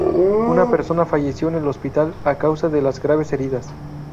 Una persona falleció en el hospital a causa de las graves heridas.